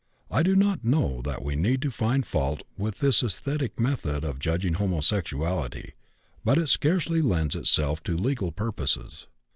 I do not know that we need find fault with this esthetic method of judging homosexuality. But it scarcely lends itself to legal purposes.